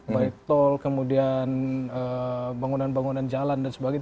baik tol kemudian bangunan bangunan jalan dan sebagainya